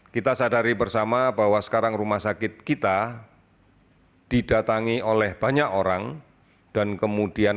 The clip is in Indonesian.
kita sadari bersama bahwa sekarang rumah sakit kita didatangi oleh banyak orang dan kemudian